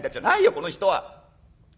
この人は！